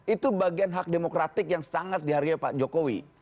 itu bagian hak demokratik yang sangat dihargai pak jokowi